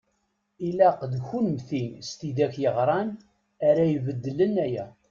Ilaq d kunemti s tidak yeɣran ara ibeddlen aya.